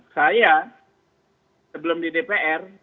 saya sebelum di dpr